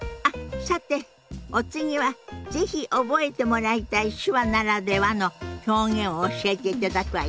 さてお次は是非覚えてもらいたい手話ならではの表現を教えていただくわよ。